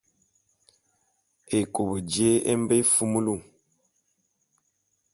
Ékop jé e mbe éfumulu.